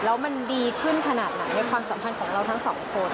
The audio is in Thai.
แล้วมันดีขึ้นขนาดไหนในความสัมพันธ์ของเราทั้งสองคน